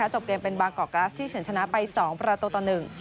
จบเกมเป็นบางกอกกราสที่เฉินชนะไป๒ประตูต่อ๑